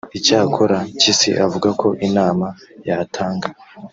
Icyakora Mpyisi avuga ko inama yatanga